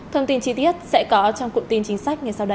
thông tin chi tiết sẽ có trong cụm tin chính sách ngay sau đây